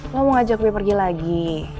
lo mau ajak gue pergi lagi